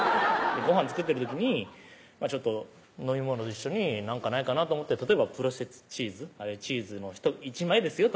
ごはん作ってる時にちょっと飲み物と一緒に何かないかなと思って例えばプロセスチーズチーズの１枚ですよ